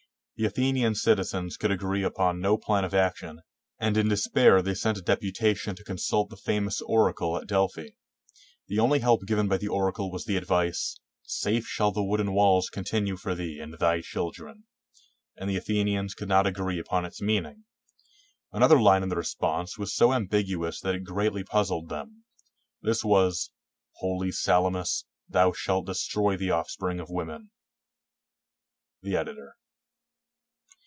The Athenian citizens could agree upon no plan of action, and in despair they sent a deputation to consult the famous Oracle at Delphi. The only help given by the Oracle was the advice, " Safe shall the wooden walls continue for thee and thy chil dren," and the Athenians could not agree upon its meaning. Another line in the response was so ambiguous that it greatly puzzled them. This was, "Holy Salamis, thou shalt destroy the offspring of women." The Editor.